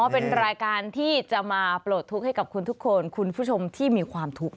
เป็นรายการที่จะมาปลดทุกข์ให้กับคุณทุกคนคุณผู้ชมที่มีความทุกข์